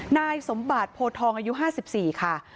นายสมบัติโพทองอายุ๕๔ค่ะ